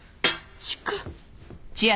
しか。